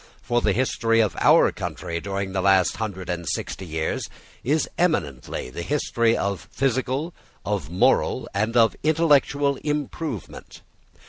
For the history of our country during the last hundred and sixty years is eminently the history of physical, of moral, and of intellectual improvement.